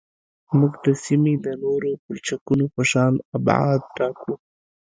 موږ د سیمې د نورو پلچکونو په شان ابعاد ټاکو